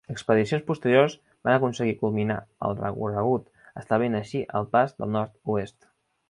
Expedicions posteriors van aconseguir culminar el recorregut establint així el Pas del Nord-oest.